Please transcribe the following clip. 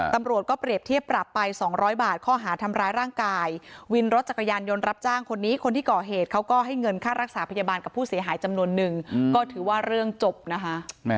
ตำรวจก็เปรียบเทียบปรับไป๒๐๐บาทข้อหาทำร้ายร่างกายวินรถจักรยานยนต์รับจ้างคนนี้คนที่ก่อเหตุเขาก็ให้เงินค่ารักษาพยาบาลกับผู้เสียหายจำนวนนึงก็ถือว่าเรื่องจบนะคะ